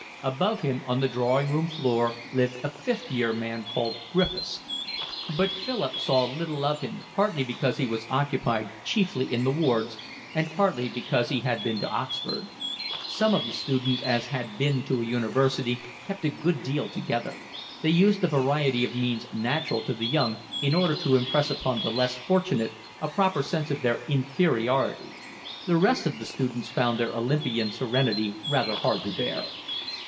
Above him, on the drawing room floor, lived a fifth year man called Griffiths; but Philip saw little of him, partly because he was occupied chiefly in the wards and partly because he had been to Oxford. Such of the students as had been to a university kept a good deal together: they used a variety of means natural to the young in order to impress upon the less fortunate a proper sense of their inferiority; the rest of the students found their Olympian serenity rather hard to bear.